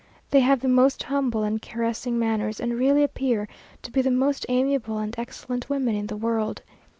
They have the most humble and caressing manners, and really appear to be the most amiable and excellent women in the world.